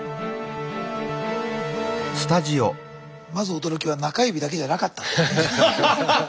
まず驚きは中指だけじゃなかったんですね。